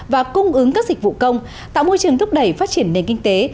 và cung ứng các dịch vụ công tạo môi trường thúc đẩy phát triển nền kinh tế